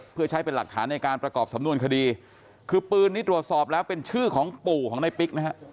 เพื่อใช้เป็นหลักฐานในการประกอบสำนวนคดีคือปืนนี้ตรวจสอบแล้วเป็นชื่อของปู่ของในปิ๊กนะฮะ